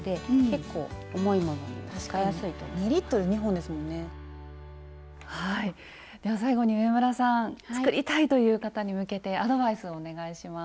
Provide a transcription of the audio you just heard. では最後に上村さん作りたいという方に向けてアドバイスをお願いします。